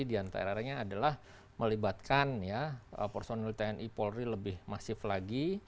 di antaranya adalah melibatkan personil tni polri lebih masif lagi